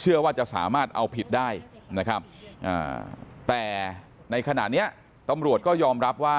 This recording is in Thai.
เชื่อว่าจะสามารถเอาผิดได้นะครับแต่ในขณะนี้ตำรวจก็ยอมรับว่า